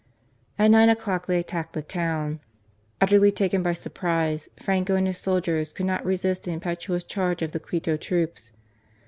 At nine o'clock they attacked the town. Utterly taken by surprise, Franco and his soldiers could not resist the impetuous charge of the Quito troops.